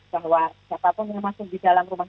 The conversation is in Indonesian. bahwa siapapun yang masuk di dalam rumah